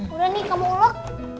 udah nih kamu ulek